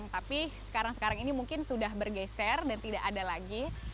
tapi sekarang sekarang ini mungkin sudah bergeser dan tidak ada lagi